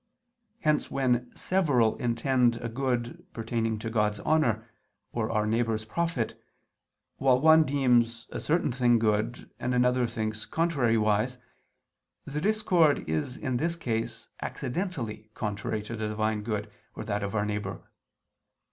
Hence when several intend a good pertaining to God's honor, or our neighbor's profit, while one deems a certain thing good, and another thinks contrariwise, the discord is in this case accidentally contrary to the Divine good or that of our neighbor.